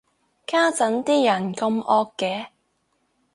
家陣啲人咁惡嘅